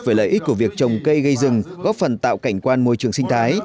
về lợi ích của việc trồng cây gây rừng góp phần tạo cảnh quan môi trường sinh thái